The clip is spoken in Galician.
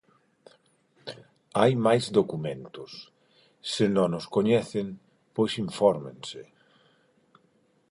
Hai máis documentos; se non os coñecen, pois infórmense.